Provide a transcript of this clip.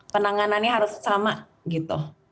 penanganannya harus sama gitu